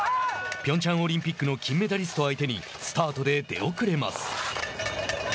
ピョンチャンオリンピックの金メダリスト相手にスタートで出遅れます。